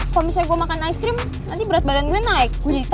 kalo misalnya gue makan es krim nanti berat badan gue naik gue jadi tapir deh